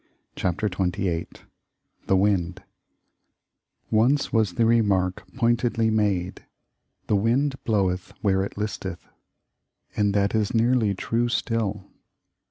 CHAPTER XXVIII THE WIND Once was the remark pointedly made: "The wind bloweth where it listeth." And that is nearly true still.